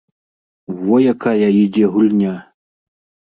Во якая ідзе гульня!